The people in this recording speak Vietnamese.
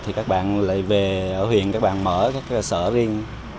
thì các bạn lại về ở huyện các bạn mở các sở riêng